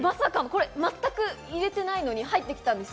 全く入れてないのに入ってきたんです。